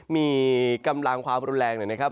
มีกำลังความอุดแรงนะครับ